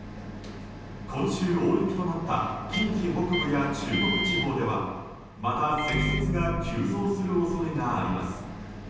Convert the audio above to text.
今週大雪となった近畿北部や中国地方ではまた積雪が急増する恐れがあります。